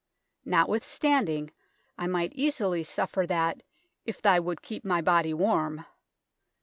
Nott withstanding I might easily suffer that, if thei wold keep my body warm.